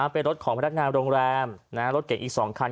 เป็นรถของพนักงานโรงแรมรถเก่งอีก๒คัน